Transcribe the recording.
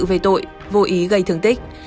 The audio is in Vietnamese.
về tội vô ý gây thường tích